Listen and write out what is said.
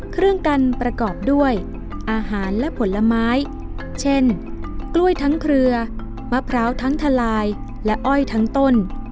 เครื่องกันประกอบด้วยอาหารและผลไม้เช่นกล้วยทั้งเครือมะพร้าวทั้งทลายและอ้อยทั้งต้น